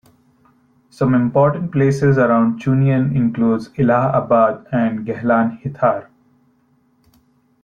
Some important places around Chunian includes Ellah Abad and Gehlan Hithar.